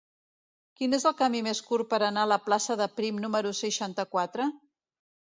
Quin és el camí més curt per anar a la plaça de Prim número seixanta-quatre?